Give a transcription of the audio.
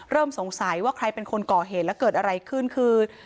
สงสัยว่าใครเป็นคนก่อเหตุแล้วเกิดอะไรขึ้นคือ